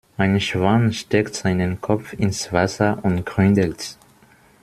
Ein Schwan steckt seinen Kopf ins Wasser und gründelt.